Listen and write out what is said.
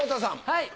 はい。